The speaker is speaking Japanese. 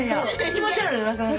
気持ち悪いのなくなる？